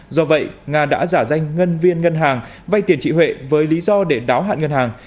do vậy nga đã giả danh nhân viên ngân hàng vay tiền chị huệ với lý do để đáo hạn ngân hàng